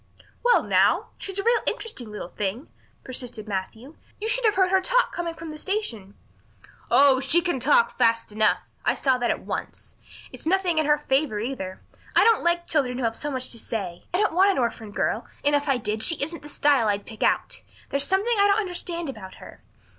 "Well now, she's a real interesting little thing," persisted Matthew. "You should have heard her talk coming from the station." "Oh, she can talk fast enough. I saw that at once. It's nothing in her favour, either. I don't like children who have so much to say. I don't want an orphan girl and if I did she isn't the style I'd pick out. There's something I don't understand about her.